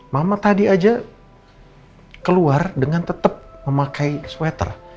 mama tadi aja keluar dengan tetap memakai sweater